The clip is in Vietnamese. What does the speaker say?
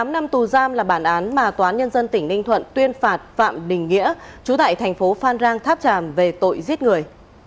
một mươi năm năm tù giam là bản án mà tòa án nhân dân tỉnh ninh thuận tuyên phạt phạm đình nghĩa chú tại thành phố phan rang tháp tràm về tội giết người